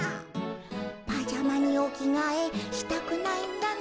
「パジャマにおきがえしたくないんだね